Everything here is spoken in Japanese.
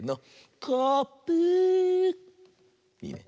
いいね。